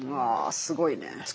すごいね。